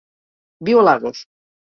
Viu a Lagos.